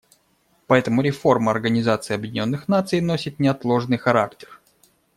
Поэтому реформа Организации Объединенных Наций носит неотложный характер.